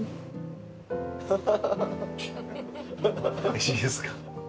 おいしいですか？